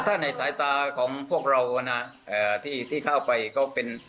ถ้าในสายตาของพวกเรานะที่เข้าไปก็เป็น